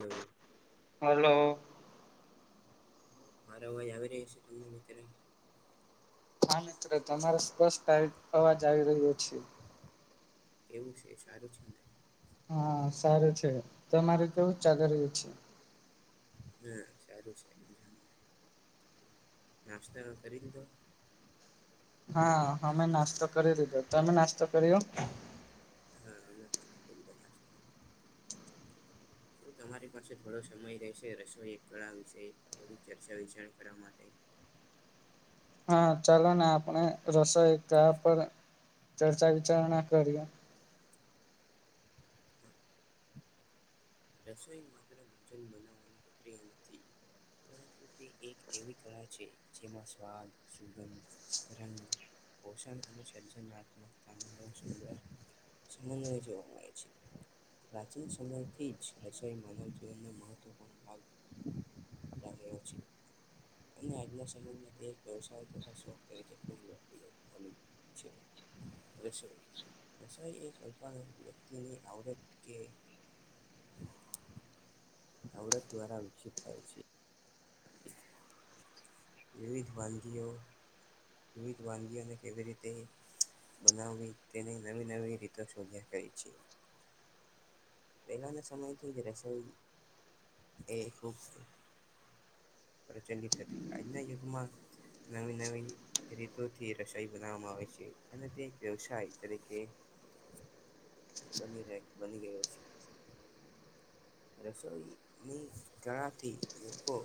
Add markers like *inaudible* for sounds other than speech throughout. એવું હલો મારો અવાજ આવી રય છે તમને ત્યારે હા મિત્રો તમારો સ્પષ્ટ આવી અવાજ આવી રહ્યો છે એવું છે સારું છે હા સારું છે તમારે કેવું ચાગર્યું છે હમ સારું છે મજાનું નાસ્તો હવે કરી દીધો હા અમે નાસ્તો કરી લીધો તમે નાસ્તો કર્યો હમ અમે પન કરી લીધો નાસ્તો તો તમારી પાસે થોડો સમય રહેશે રસોઈ એક કળા વિશે થોડી ચર્ચા વિચારણા કરવા માટે હા ચાલો ને આપણે રસોઈ તા પર ચર્ચા વિચારણા કરીએ હા રસોઈ માત્ર ભોજન બનાવવાનું પ્રિય નથી પરંતુ તે એક એવી કળા છે જેમાં સ્વાદ સુગંધ રંગ પોષાણને સર્જનાત્મકતાણોષણે સમન્વય જોવા મળે છે પ્રાચીન સમયથી જ રસોઈ માનવજીવન મહત્વપૂર્ણ ભાગ રહ્યો છે અને આજના સમયમાં તે એક વ્યવસાય તથા શોક તરીકે ખૂબ લોકપ્રિય બ છે હવે શું રસોઈ એક કલ્પાના વ્યક્તિની આવડત કે આવડત દ્વારા વૃક્ષ થાય છે વિવિધ વાનગીઓ વિવિધ વાનગી આઓ ને કેવી રીતે બનાવવી તેને નવી નવી રીતો શોધ્યા કરી છે પેલાના સમય થી જ રસોઈ એ ખુબ પ્રચલિત હતી આજના યુગમાં નવી નવી રીતોથી રસોઈ બનાવવામાં આવે છે અને તે એક વ્યવસાય તરીકે બની રહે. બની ગયો છે. રસોઈની ગણાથી લોકો.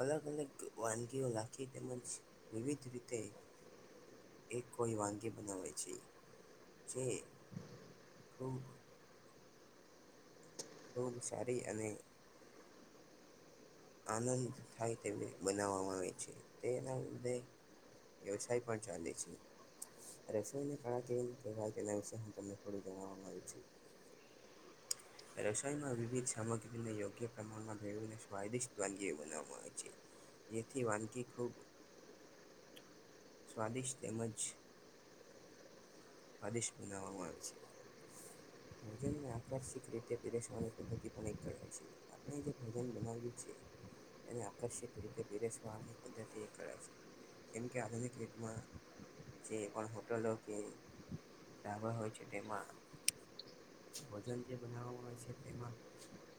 અલગ અલગ વાનગીઓ લાખી, તેમજ વિવિધ રીતે. એક કોઈ વાનગી બનાવે છે. જે ખૂબ ખૂબ સારી અને. આનંદ થાય તેવી બનાવવામાં આવે છે. તેના લીધે વ્યવસાય પણ ચાલે છે. રસોય ને કળાકીરી ન કહેવાય તેના વિશે હું તમને થોડું જણવુ છું. રસોણમાં વિવિધ સામગ્રીને યોગ્ય પ્રમાણમાં ભેળવીને, સ્વાદિષ વાનગી બનાવામાં આવે છે. એથી વાનગી ખૂબ. સ્વાદિષ્ટ તેમજ. સ્વાદિષ્ટ બનાવામાં આવે છે. ભોજનને આકર્ષિક રીતે પીરસવાની પદ્ધતિ પણ એક કળા છે. આપણે જે ભોજન બનાવ્યું છે. તેને આકર્ષિત રીતે પિરેસ વાહની પદ્ધતિ એ ક છે. જેમ કે આધુનિક યુગમાં જે પણ હોટલો કે ઢાબા હોય છે તેમાં ભોજન જે બનાવવામાં આવે છે, તેમાં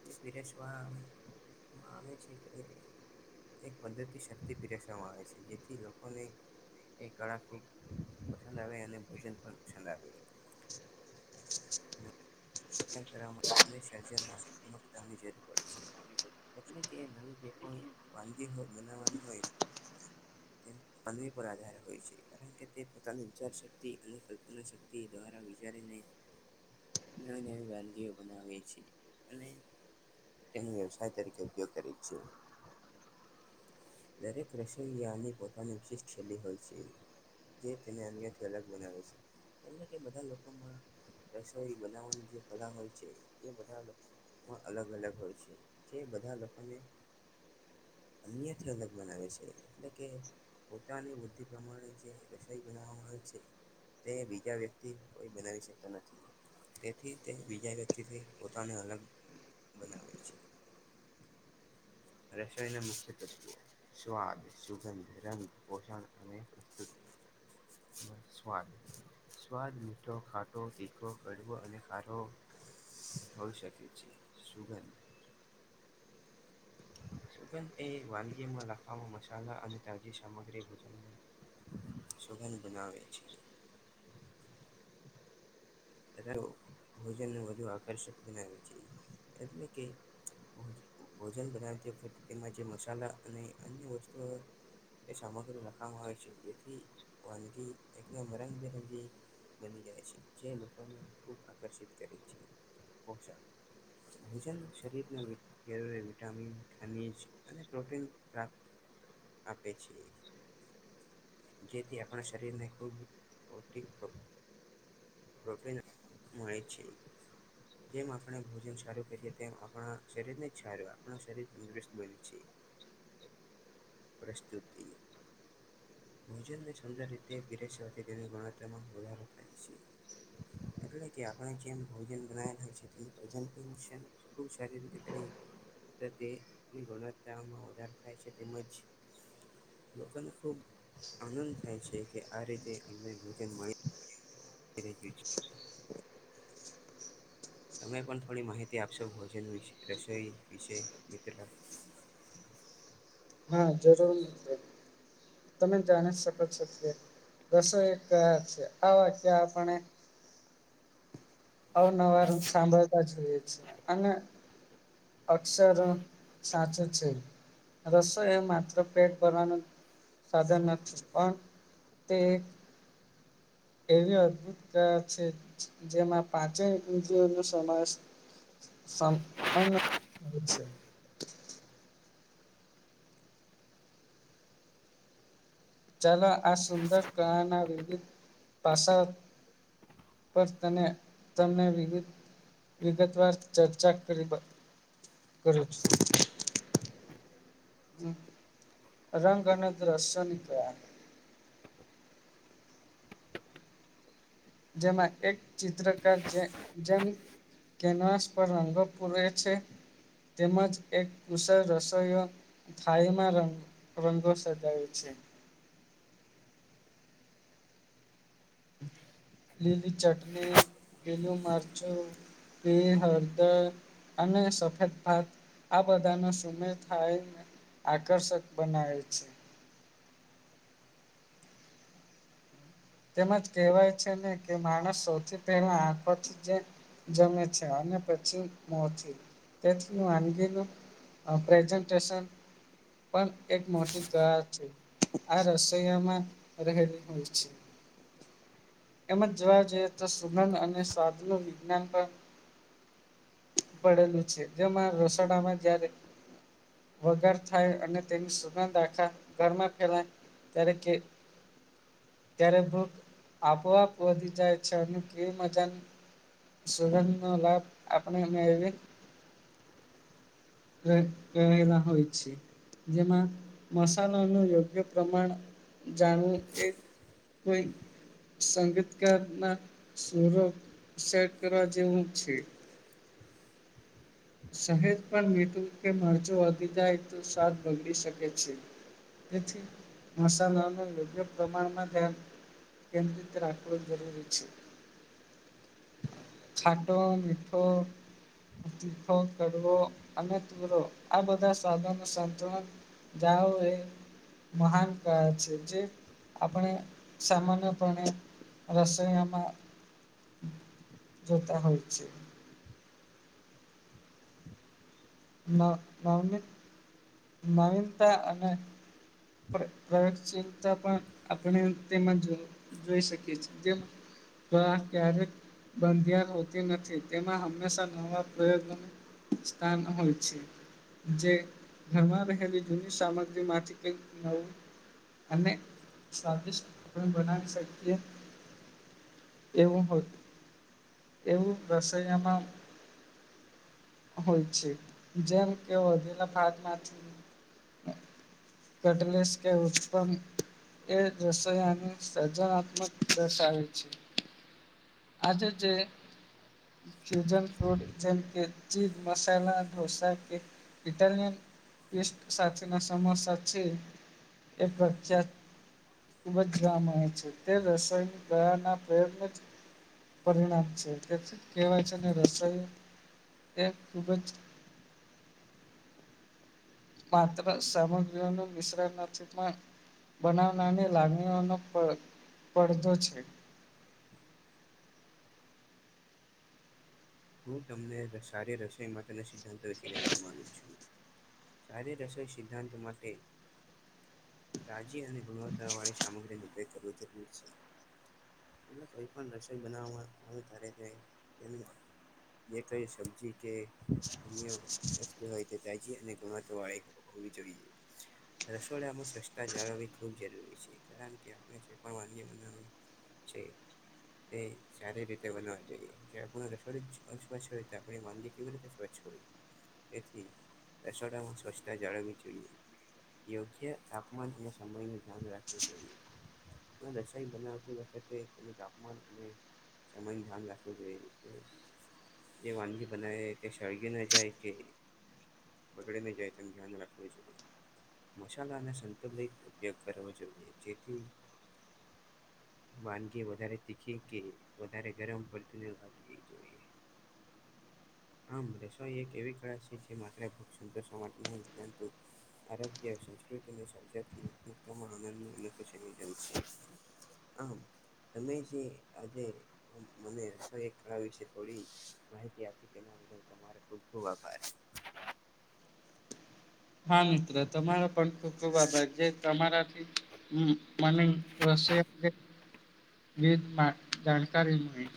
જે પીરેસ *unintelligible* એક પદ્ધતિ શક્તિ પીરસવામાં આવે છે, જેથી લોકોને એ કળા ખૂબ પસંદ આવે, અને ભોજન પણ પસંદ આવે. એ કરરામતી અને સર્જનાત્મકતાની જરૂર પડે છે. એટલે કે નવી જે કોઈ વાનગી બનાવાની હોય. અનવી પર આધાર હોય છે, કારણ કે તે પોતાની વિચાર શક્તિ અને કલ્પના શક્તિ દ્વારા વિચારીને નવી નવી વાંધીઓ બનાવીએ છે, અને તેનો વ્યવસાય તરીકે ઉપયોગ કરી છે. દરેક રસંગયાની પોતાની વિશિષ્ટ શૈલી હોય છે. જે તેને અન્યથી અલગ બનાવે છે, એમલે કે બધા લોકોમાં રસોઈ બનાવવાની જે બધા હોય છે, એ બધા પણ અલગ અલગ હોય છે, જે બધા લોકોને અનં થી અલગ બનાવે છે, એટલે કે પોતાની બુદ્ધિ પ્રમાણે જે રસોઈ બનાવામાં આવે છે. તે બીજા વ્યક્તિ કોઈ બનાવી શકતા નથી. થી તે બીજા વ્યક્તિ પોતાને અલગ બનાવે છે. રસોઈના મુખ્ય તત્વ. સ્વાદ, સુગંધ, રંગ, પોષણ અને પ્રસ્તુતિ. સ્વાદ. સ્વાદ મીઠો, ખાટો, તીખો, કડવો અને ખારો. હોઈ શકે છે, સુગંધ સુગંધ એ વાનગીમાં લખવામાં મસાલા અને તાજી સામગ્રી ભોજનની સુગંધ બનાવે છે. ભોજનને વધુ આકર્ષક બનાવે છે, એટલે કે ભોજન બનાવતી વખતે તેમાં જે મસાલા અને અન્ય વસ્તુઓ એ સામગ્રીઓ લખવામાં આવે છે. જેથી વાનગી એક રંગબિરંગી બની જાય છે. જે લોકોને ખૂબ આકર્ષિત કરે છે, પોષણ ભોજન શરીર ની વિટામિન, ખનીજ અને પ્રોટીન પ્રાપ્ત આપે છે. જેથી આપણા શરીર ને ખૂબ *unintelligible* જેમ આપણે ભોજન સારું કરીએ તેમ આપણા શરીરને જ સારું આપ શરીર તંદુરસ્ત બને છે. પ્રસ્તુતિ. ભોજનને સુંદર રીતે પીરેસવાથી તેનું ગણત્તમાં વધારો થાય છે. એટલે કે આપણે જેમ ભોજન બનાવેલ હોય છે તેનું પ્રેઝન્ટશન ખુબ સારી રીતે કરીએ. તેની ગુણવત્તામાં વધાર થાય છે તેમજ. લોકોને ખુબ આનંદ થાય છે કે આ રીતે અ એ છે. તને પણ થોડી માહિતી આપશો ભોજન રસોઈ વિશે મિત્ર. હા જરૂર મ તમે જાણી શકો છ રસો એક કયા છે, આ વાક્ય આપણે અ નવાર સાંભળતા જોઈએ છેએ, અને અક્ષર સાચું છે. રસોએ માત્ર પેટ ભરવાનું સાધન નથી પણ તે એક એવી અદભુત અ છે જેમાં. પાંચે પંચઓ ન સમાવેશ સામાન છે. ચાલો આ સુંદર કળા ના વિવિધ પાસા પસ તને તને વિવિધ. વિગતવાર ચર્ચા કરીવા કરું છું. રંગ અને તો ર *inaudible* સો નની તો જેમાં એક ચિત્રકાર જે જેમ. કેનાસ પર રંગો પૂરે છે. તેમજ એક કુશળ રસોયો થાયમાં રંગ રંગો સજાવે છે. લીલી ચટણી લીલું મરચું તે હળદર. અને સફેદ ભાત આ બધા નુ સુમેર થાયને. આકર્ષક બનાવે છે. તેમજ કહેવાય છે ને કે માણસ સૌથી પહેલા આંખોથી જે જમે છે અને પછી મોથી તેથી વાનગીનું અ પ્રઝન્ટેશન. પણ એક મોટી કળા છે આ રસોઈયામાં રહેલી હોય છે. એમજ જોવા જઈએ તો સુગંધ અને સ્વાદનુ વિજ્ઞાન પણ પડેલું છે જેમાં રસોડામાં જયારે વગાર થાય અને તેની સુગંધ આખા ઘરમાં ફેલાએ ત્યારે કે ત્યારે ભુખ. આપોઆપ વધી જાય છે અને કે મજાન સુગંધ નો લાભ આપણી મેવી. ઘર ઘરે ના હોય છે. જેમાં મસાલોનું યોગ્ય પ્રમાણ જાણુ એ. કોઈ સંગીતકાર ના સુરો સે. કર જેવું છે. સહેજ પણ મીઠું કે મરચો વધી જાય તો શાક બગડી શકે છે. તેથી મસાલાનું યોગ્ય પ્રમાણમાં ધ્યાન કેન્દ્રિત રાખવો જરૂરી છે. છાટો મીઠો. વો કડવો અને તુરો આ બધાયે નો સંતુલન જાઓ એ મહાન કળા છે જે. આપણે સામાન્યપણે રસોયામાં જોતા હોય છે. હ *inaudible* નવ નવનીત નવીનતા અને. પ્ર પ્રયોગશીલતા પણ આપણે તેમાં જો જોઈ શકીએ છીએ જેમ. તો આ ક્યારેક બંધિયાર હોતી નથી તેમાં હંમેશા નવા પ્રયોગ નો સ્થાન હોય. જે ઘરમાં રહેલી જૂની સામગ્રી માંથી કઈક નવું અને સ્વાદિષ્ટ પણ બનાવી શકીએ. એવું હોત. એવું રસોઈયામાં હોય છે જેમ કે વધેલા ભાત માંથી *inaudible* કટલેસ કે ઉત્પન્ન એ રસોઈયા નુ સર્જનાત્મક દર્શાવે છે. આજે જે ફન ફૂડ જેમ કે ચ મસાલા ડઢોસા કે ઇટાલિયન પ સાથેના સમસાથી એક ખચા. ખૂબ જ ગ આવે છે તે રસાયણિક ગળાના પ્રયત્ન પરિણામ છે તેથી કહેવાય છેને રસ એ ખૂબ જ માત્ર સામગ્રીઓ ન મિશ્રણ નથી પણ બનાવનાને લાગણીનો પડદો છે. હું તમને સારી રસોઈ માટેના સિદ્ધાંતો વિશે જણાવવાનું છું. સારે રસોઈ સિદ્ધાંતો માટે રાજી અને ગુણવત્તાવાળી સામગ્રીનો ઉપયોગ કરવો જરૂરી છે. એટલે કોઈ પણ રસોઈ બનાવવામાં આવે ત્યારે તે તેમમાં જે કઈ સબ્જી કે અન્ય વસ્તુ હોય, તે તાજી અને ગુમાત વાળી હોય હો જોઈ રસોડામાં સસ્તા જાળવવી ખૂબ જરૂરી છે. કારણ કે આપણે જે પરવાનગી બનાવી તે સારી રીતે બનાવા જોઈએ જે આપ રસોડ જ હો આપ મનગ કરું વાચ્ હોવી. એથી રેસડા શસ્તા જાઝવુ જોઈએ. યોગ્ય તાપમાન અને સમયનું ધ્યાન રાખવું જોઈએ. દશાય બનાવતી વખતે તેનું તાપમાન અને એય ધ્યાન રાખવું જોઈએ. જે વાનગી બનાવે તે શળગી ન જાય છે. બગડે ન જાય ત એને ધ્યાન રાખવાવી જોઈએ. મસાલાનો સંતુલિત ઉપયોગ કરવો જોઈએ જેથી વાનગી વધારે તીખી કે વધારે ગરમ પલતીને ભાગવી જોઈએ. આમ રસોઈ એક એવી કળા છે જે માત્રએ ભૂગ સંંતર્ષવા માટે નહીં પરંતુ આરોગ્ય સંસ્કૃતિ અને સજત આનંદ ન અ સમ જાય છે. આમ તમે જે આજે મને એક કરાવ્યું છે. થોડી માહિતી આપી તેના બદલ તમારો ખૂબ ખૂબ આભાર. હા મિત્ર તમારો પણ ખૂબ ખૂબ આભાર છે તમારાથી હ મને ર વિવિ જાણકારી મળી